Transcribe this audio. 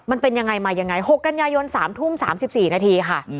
มันเป็นยังไงมายังไง๖กันยายน๓ทุ่ม๓๔นาทีค่ะ